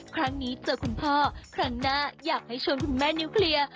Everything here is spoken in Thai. ครั้งนี้เจอคุณพ่อครั้งหน้าอยากให้ชวนคุณแม่นิวเคลียร์